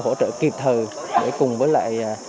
hỗ trợ kịp thời để cùng với lại